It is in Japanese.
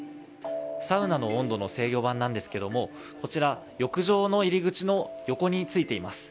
サウナの温度の制御盤なんですけどもこちら、浴場の入り口の横についています。